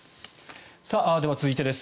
では、続いてです。